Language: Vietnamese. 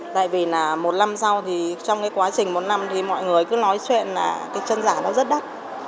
tại vì là một năm sau thì trong cái quá trình một năm thì mọi người cứ nói chuyện là cái chân giả nó rất đắt